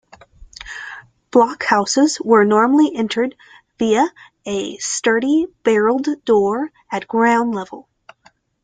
Blockhouses were normally entered via a sturdy, barred door at ground level.